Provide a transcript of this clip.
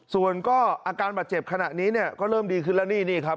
ส่วนก็อาการบาดเจ็บขณะนี้เนี่ยก็เริ่มดีขึ้นแล้วนี่นี่ครับ